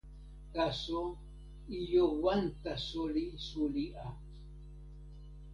taso ijo wan taso li suli a.